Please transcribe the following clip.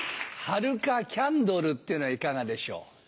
はるかキャンドルってのはいかがでしょう？